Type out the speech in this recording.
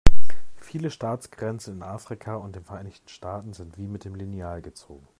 Viele Staatsgrenzen in Afrika und den Vereinigten Staaten sind wie mit dem Lineal gezogen.